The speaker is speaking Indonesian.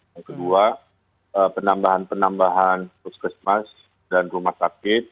yang kedua penambahan penambahan puskesmas dan rumah sakit